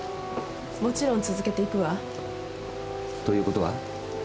もちろん続けていくわ。ということは？